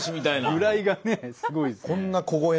由来がねすごいですよね。